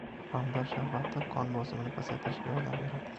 Pomidor sharbati qon bosimini pasaytirishga yordam beradi